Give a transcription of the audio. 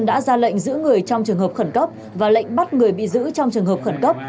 đã ra lệnh giữ người trong trường hợp khẩn cấp và lệnh bắt người bị giữ trong trường hợp khẩn cấp